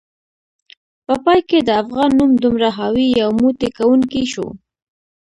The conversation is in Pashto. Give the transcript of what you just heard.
په پای کې د افغان نوم دومره حاوي، یو موټی کونکی شو